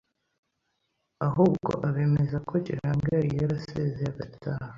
ahubwo abemeza ko Kiranga yari yarasezeye agataha.